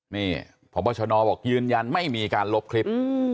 นี่พบชนบอกยืนยันไม่มีการลบคลิป